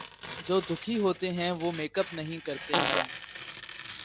جو دکھی ھوتے ہیں وہ میک اپ نہیں کرتے ہیں